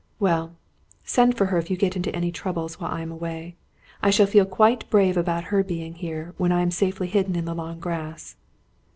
"Well, send for her if you get into any troubles while I am away. I shall feel quite brave about her being here, when I am safely hidden in the long grass!"